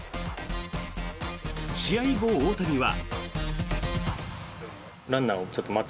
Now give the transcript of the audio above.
試合後、大谷は。